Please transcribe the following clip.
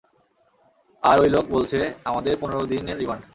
আর ওই লোক বলছে আমাদের পনের দিনের রিমান্ড!